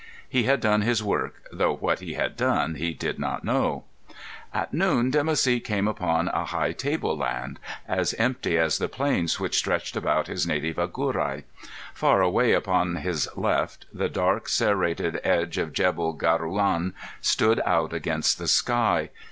He had done his work, though what he had done he did not know. At noon Dimoussi came out upon a high tableland, as empty as the plains which stretched about his native Agurai. Far away upon his left the dark, serrated ridge of Jebel Gerouan stood out against the sky.